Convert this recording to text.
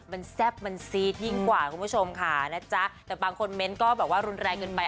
มันแซ่บมันซีดยิ่งกว่าคุณผู้ชมค่ะนะจ๊ะแต่บางคนเมนต์ก็แบบว่ารุนแรงเกินไป